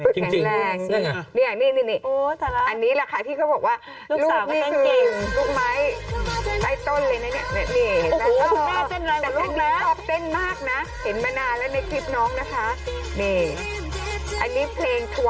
จริงเนี่ยไงอันนี้แหละค่ะที่เขาบอกว่าลูกสาวก็คือลูกไม้ใต้ต้นเลยนะเนี่ยแต่ลูกนี้ชอบเต้นมากนะเห็นมานานแล้วในคลิปน้องนะคะ